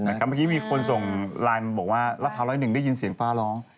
เหมือนกับเมื่อกี้มีคนส่งไลน์บอกว่ารัฐภาว๑๐๑ได้ยินเสียงฟ้าร้อง